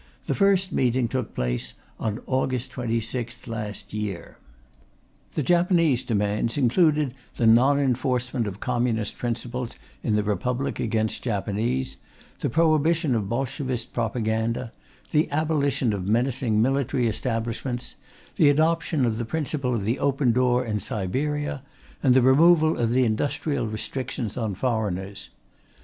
The first meeting took place on August 26th last year. The Japanese demands included the non enforcement of communistic principles in the Republic against Japanese, the prohibition of Bolshevist propaganda, the abolition of menacing military establishments, the adoption of the principle of the open door in Siberia, and the removal of industrial restrictions on foreigners.